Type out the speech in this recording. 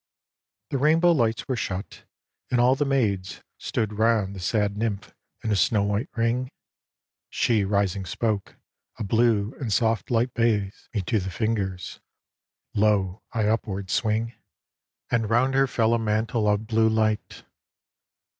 " The rainbow's lights were shut, and all the maids Stood round the sad nymph in a snow white ring, She rising spoke, " A blue and soft light bathes Me to the fingers. Lo, I upward swing!" And round her fell a mantle of blue light.